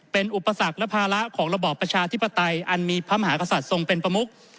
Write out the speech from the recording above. เป็นอุปสรรคและภาระของระบอบประชาธิปไตยอันมีพระมหากษัตริย์ทรงเป็นประมุก